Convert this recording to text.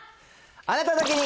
あなただけに！